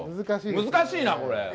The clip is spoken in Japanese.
難しいな、これ。